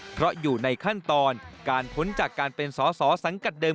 เพราะอยู่ในขั้นตอนการพ้นจากการเป็นสอสอสังกัดเดิม